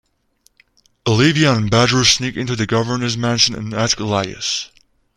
Olivia and Badru sneak into the governor's mansion and ask Elias.